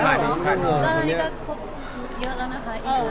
ก็อันนี้ก็ครบเยอะแล้วนะคะอีกร้านแต่ว่าอันนี้น่าจะยากสุดค่ะถึงมันก็คือภาษาไทยนี้แหละค่ะ